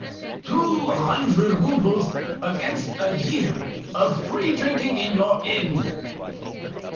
"Two hundred roubles against a year of free drinking in your inn."